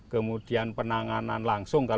kemudian penanganan langsung